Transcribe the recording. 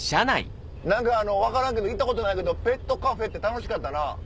何かあの分からんけど行ったことないけどペットカフェって楽しかったな。